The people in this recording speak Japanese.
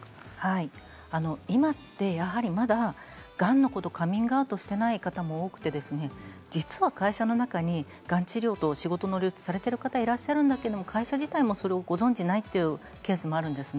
今は、やはりまだがんのことをカミングアウトしていない方も多くて実は会社の中にがん治療と仕事の両立をされている方もいるとそれを会社もご存じないというケースもあります。